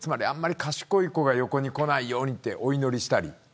あまり賢い子が横に来ないようにお祈りしたり。